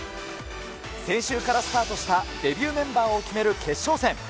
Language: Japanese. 先週からスタートしたデビューメンバーを決める決勝戦。